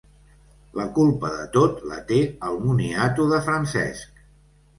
La culpa de tot la té el moniato de Francesc.